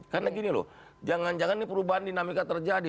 karena gini loh jangan jangan ini perubahan dinamika terjadi